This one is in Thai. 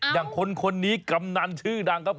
อย่างคนนี้กำนันชื่อดังครับ